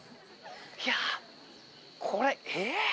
いやこれえー？